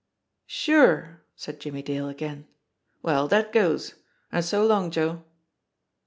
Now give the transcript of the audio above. "Sure!" said Jimmie Dale again. "Well, that goes and so long, Joe."